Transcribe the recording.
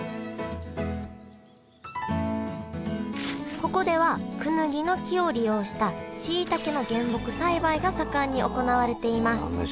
ここではクヌギの木を利用したしいたけの原木栽培が盛んに行われています。